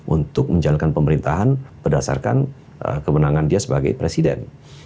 untuk menjalankan pemerintahan berdasarkan kemenangan dia sebagai presiden